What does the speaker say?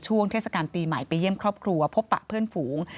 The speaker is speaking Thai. เทศกาลปีใหม่ไปเยี่ยมครอบครัวพบปะเพื่อนฝูง